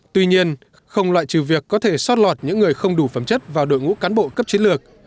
tuy nhiên không loại trừ việc có thể sót lọt những người không đủ phẩm chất vào đội ngũ cán bộ cấp chiến lược